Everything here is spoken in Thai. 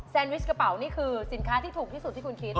วิชกระเป๋านี่คือสินค้าที่ถูกที่สุดที่คุณคิด